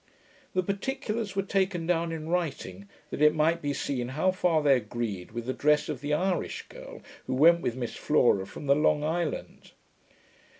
The particulars were taken down in writing, that it might be seen how far they agreed with the dress of the 'Irish girl' who went with Miss Flora from the Long Island.